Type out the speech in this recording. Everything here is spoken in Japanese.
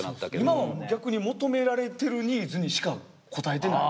今は逆に求められてるニーズにしか応えてない。